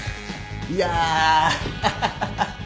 いやハハハ！